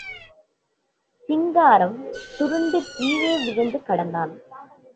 சிங்காரம் சுருண்டு கீழே விழுந்து கிடந்தான்.